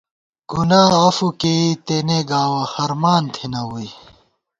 گُنا عفو کېئی تېنے گاوَہ ہرمان تھنہ ووئی